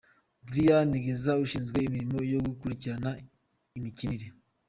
Brian Geza ushinzwe imirimo yo gukurikirana imikinire.